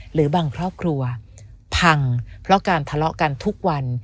หรือบางครอบครัวพังเพราะการทะเลาะกันทุกวัน